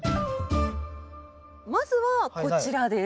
まずはこちらです。